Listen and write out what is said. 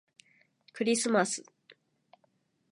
クリスマス